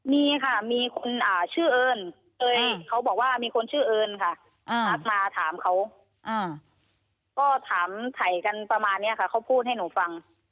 มีค่ะมีคนชื่อเอิญเขาบอกว่ามีคนชื่อเอิญค่ะทักมาถามเขาก็ถามถ่ายกันประมาณนี้ค่ะเขาพูดให้หนูฟัง